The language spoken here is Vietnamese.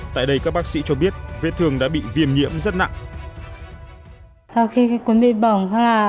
tại đây các bác sĩ cho biết vết thương đã bị viêm nhiễm rất nặng